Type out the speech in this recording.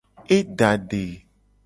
E da ade.